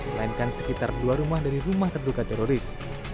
melainkan sekitar dua rumah dari rumah terduga teroris